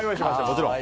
もちろん。